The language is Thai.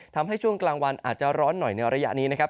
ช่วงกลางวันอาจจะร้อนหน่อยในระยะนี้นะครับ